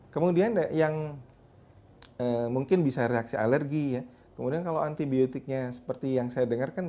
kemudian yang mungkin bisa reaksi alergi ya kemudian kalau antibiotiknya seperti yang saya dengarkan